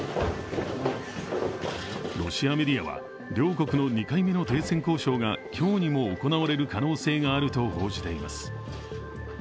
ロシアメディアは両国の２回目の停戦交渉が今日にも行われる可能性があると報じています。